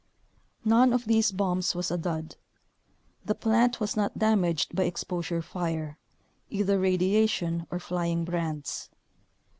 None of these bombs was a dud. The plant was not damaged by exposure fire — either radiation or flying brands.